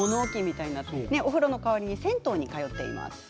代わりに銭湯に通っています。